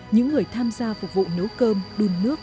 những người tham gia phục vụ nấu cơm đun nước